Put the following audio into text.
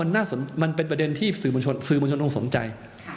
เอ้ามันเป็นประเด็นที่ซื่อมนชนอุ้งสนใจ